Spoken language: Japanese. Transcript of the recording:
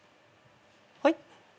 はい？